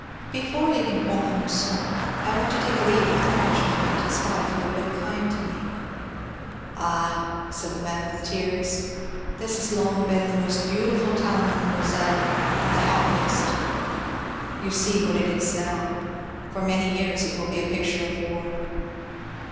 Before leaving Pont a Mousson I went to take leave of the Frenchman and his wife who had been kind to me. Ah," said the man with tears, ^^ this has long been the most beautiful town on the Moselle, and the happiest. You see what it is now. For many years it will be a picture of war.